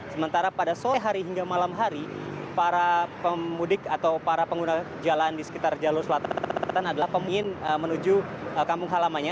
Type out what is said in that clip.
sementara pada sore hari hingga malam hari para pemudik atau para pengguna jalan di sekitar jalur selatan adalah pemungin menuju kampung halamannya